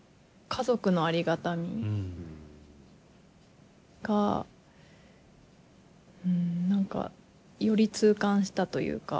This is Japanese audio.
家族のありがたみが何かより痛感したというか。